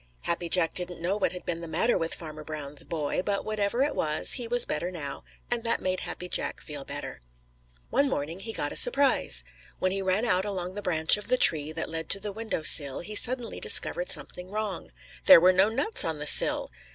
Happy Jack didn't know what had been the matter with Farmer Brown's boy, but whatever it was, he was better now, and that made Happy Jack feel better. One morning he got a surprise. When he ran out along the branch of the tree that led to the window sill he suddenly discovered something wrong. There were no nuts on the sill!